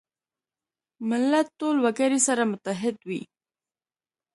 ملت ټول وګړي سره متحد وي.